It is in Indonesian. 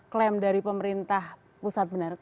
klaim dari pemerintah pusat benar